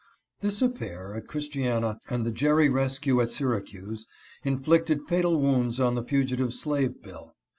This affair, at Christiana, and the Jerry rescue at Syra cuse, inflicted fatal wounds on the fugitive slave bill.